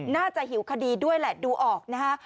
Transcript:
หิวคดีด้วยแหละดูออกนะฮะ